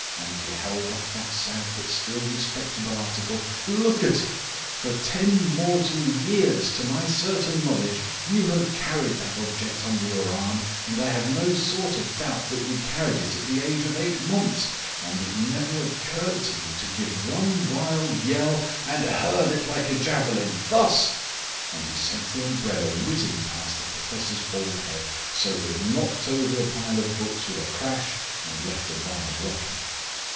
And he held up that sad but still respectable article. "Look at it. For ten mortal years to my certain knowledge you have carried that object under your arm, and I have no sort of doubt that you carried it at the age of eight months, and it never occurred to you to give one wild yell and hurl it like a javelin thus " And he sent the umbrella whizzing past the professor's bald head, so that it knocked over a pile of books with a crash and left a vase rocking.